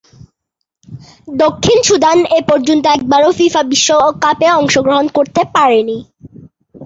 দক্ষিণ সুদান এপর্যন্ত একবারও ফিফা বিশ্বকাপে অংশগ্রহণ করতে পারেনি।